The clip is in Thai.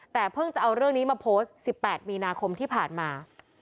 แต่เพิ่งจะเอาเรื่องนี้มาโพสต์๑๘มีนาคมที่ผ่านมา